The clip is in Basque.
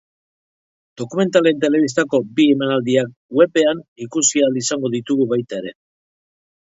Dokumentalaren telebistako bi emanaldiak webean ikusi ahal izango ditugu baita ere.